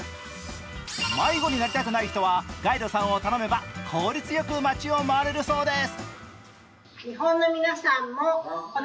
迷子になりたくない人はガイドさんを頼めば効率よく街を回れるそうです。